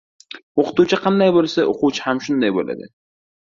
• O‘qituvchi qanday bo‘lsa, o‘quvchi ham shunday bo‘ladi.